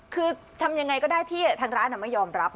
คือทำยังไงก็ได้ที่ทางร้านไม่ยอมรับ